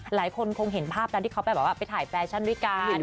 หลายคนคงเห็นภาพที่เค้าไปถ่ายแฟชั่นด้วยกัน